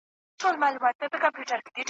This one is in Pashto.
خره لېوه ته ویل گوره لېوه جانه `